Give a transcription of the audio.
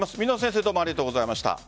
水野先生ありがとうございました。